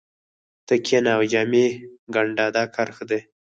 ته کښېنه او جامې ګنډه دا کار ښه دی